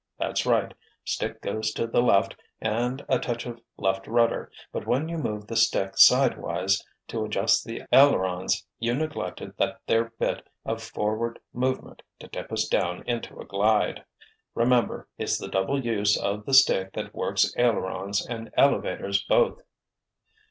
That's right—stick goes to the left and a touch of left rudder, but when you moved the stick sidewise to adjust the ailerons you neglected that there bit of forward movement to tip us down into a glide. Remember, it's the double use of the stick that works ailerons and elevators both."